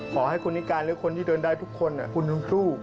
ขอให้คุณนิการหรือคนที่เดินได้ทุกคนคุณชมพู่